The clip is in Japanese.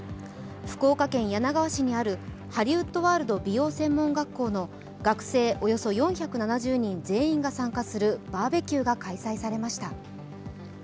福岡県柳川市にあるハリウッドワールド美容専門学校の学生およそ４７０人全員が参加するバーベキューが開催されました。